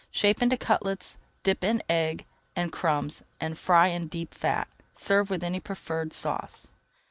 Shape into cutlets, dip in egg and crumbs and fry in deep fat. Serve with any preferred sauce.